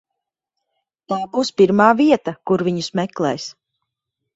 Tā būs pirmā vieta, kur viņus meklēs.